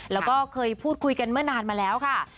แล้วก็เคยพูดคุยกันเมื่อนานมาแล้วค่ะ